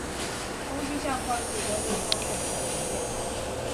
東西向快速公路芳苑草屯線